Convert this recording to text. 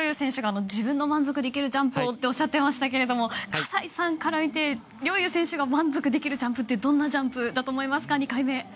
自分の満足できるジャンプをとおっしゃっていましたが葛西さんから見て陵侑選手が満足できるジャンプはどんなジャンプだと思いますか？